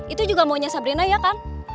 itu juga maunya sabrina ya kan